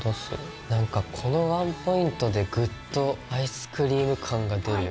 なんかこのワンポイントでぐっとアイスクリーム感が出る。